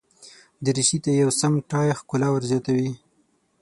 دریشي ته یو سم ټای ښکلا زیاتوي.